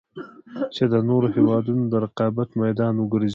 چـې د نـورو هېـوادونـو د رقـابـت مـيدان وګـرځـي.